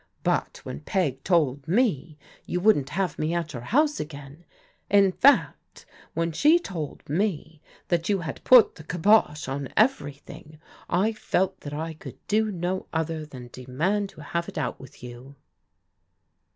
But when Peg told me that you wouldn't have me at your house again, in fact when she told me that you had put the * kybosh ' on everything, I felt that I could do no other than demand to have it out with you."